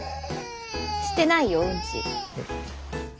してないようんち。